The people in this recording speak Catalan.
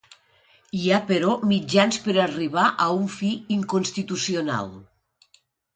Hi ha però mitjans per arribar a un fi inconstitucional.